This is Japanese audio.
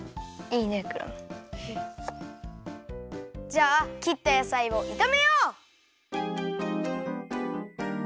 じゃあきったやさいをいためよう！